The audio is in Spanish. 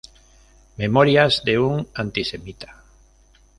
Memorias de un antisemita.